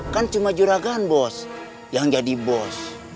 kan cuma juragan bos yang jadi bos